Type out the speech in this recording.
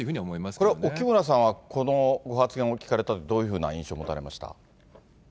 これは沖村さんは、このご発言を聞かれたときにどういう印象を持たれました？